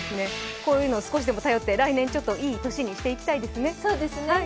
こういうの少しでも頼って来年いい年にしていきたいですね。